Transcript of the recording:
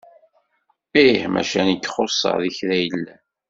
Ih macca nekk xuṣeɣ deg kra yellan.